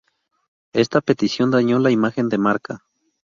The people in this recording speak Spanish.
Esta petición dañó la imagen de marca.